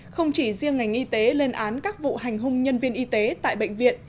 không chỉ riêng ngành y tế lên án các vụ hành hung nhân viên y tế tại bệnh viện